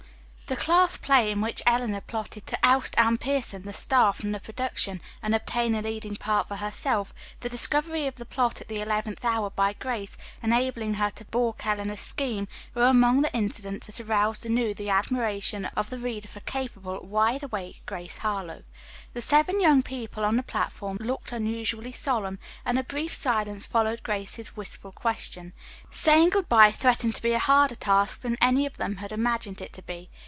The class play in which Eleanor plotted to oust Anne Pierson, the star, from the production and obtain the leading part for herself, the discovery of the plot at the eleventh hour by Grace, enabling her to balk Eleanor's scheme, were among the incidents that aroused anew the admiration of the reader for capable, wide awake Grace Harlowe. The seven young people on the platform looked unusually solemn, and a brief silence followed Grace's wistful question. Saying good bye threatened to be a harder task than any of them had imagined it to be.